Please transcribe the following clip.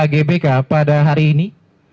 gbk pada hari ini